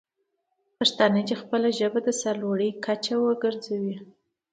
پښتانه دې خپله ژبه د سر لوړۍ کچه وګرځوي.